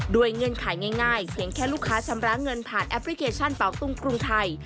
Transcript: ด้วยเงินขายง่ายเห็นแค่ลูกค้าชำระเงินผ่านแอปพลิเคชันเปาตุ้งกรุงไทย